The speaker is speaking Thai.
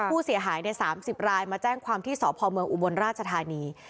ผู้เสียหายใน๓๐รายมาแจ้งความที่สพเมืองอุบลราชธานี